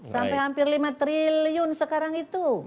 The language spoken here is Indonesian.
sampai hampir lima triliun sekarang itu